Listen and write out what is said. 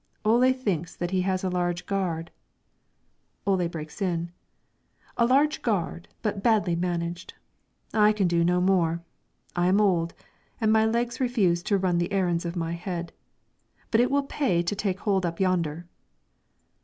"Ole thinks that he has a large gard" Ole breaks in: "A large gard, but badly managed. I can do no more. I am old, and my legs refuse to run the errands of my head. But it will pay to take hold up yonder."